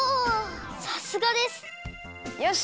さすがです！よし！